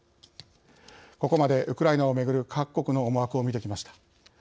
ここまでウクライナをめぐる各国の思惑を見てきました。